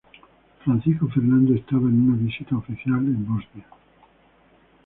Francisco Fernando estaba en una visita oficial en Bosnia.